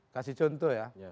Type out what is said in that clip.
kasih contoh ya